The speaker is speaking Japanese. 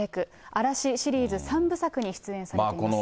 嵐シリーズ３部作に出演されています。